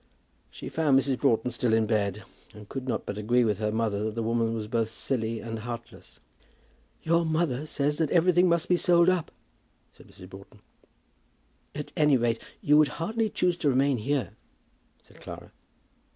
She found Mrs. Broughton still in bed, and could not but agree with her mother that the woman was both silly and heartless. "Your mother says that everything must be sold up," said Mrs. Broughton. "At any rate you would hardly choose to remain here," said Clara.